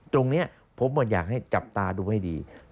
ตรงนี้ผมอยากให้จับตาดูให้ดี